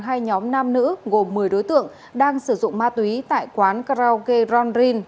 hai nhóm nam nữ gồm một mươi đối tượng đang sử dụng ma túy tại quán karaoke ronrin